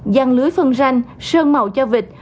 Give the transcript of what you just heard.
giang lưới phân ranh sơn màu cho vịt